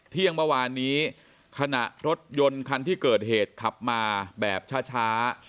เที่ยงเมื่อวานนี้ขณะรถยนต์คันที่เกิดเหตุขับมาแบบช้า